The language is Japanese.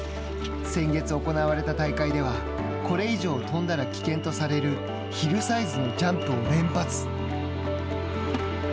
先月行われた大会ではこれ以上飛んだら危険とされるヒルサイズのジャンプを連発。